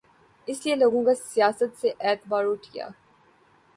اس لیے لوگوں کا سیاست سے اعتبار اٹھ گیا۔